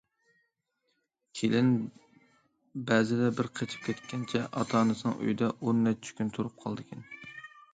كېلىن بەزىدە بىر قېچىپ كەتكەنچە ئاتا- ئانىسىنىڭ ئۆيىدە ئون نەچچە كۈن تۇرۇپ قالىدىكەن.